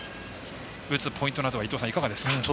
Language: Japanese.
打つポイントなどはいかがですか。